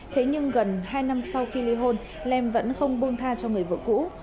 thế nhưng gần hai năm sau khi li hôn lem vẫn không buông tha cho người vợ cũ